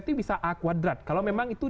itu bisa a kuadrat kalau memang itu